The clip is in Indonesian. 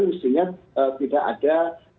mestinya tidak ada